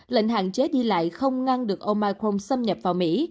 lệnh hạn chế đi lại không ngăn được omicron xâm nhập vào mỹ